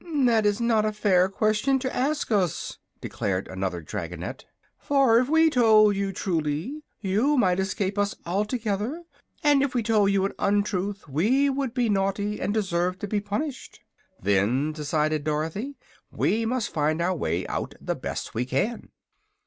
"That is not a fair question to ask us," declared another dragonette. "For, if we told you truly, you might escape us altogether; and if we told you an untruth we would be naughty and deserve to be punished." "Then," decided Dorothy, "we must find our way out the best we can."